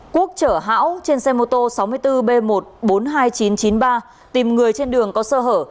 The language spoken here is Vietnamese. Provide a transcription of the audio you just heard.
quốc chở hão trên xe mô tô sáu mươi bốn b một trăm bốn mươi hai nghìn chín trăm chín mươi ba tìm người trên đường có sơ hở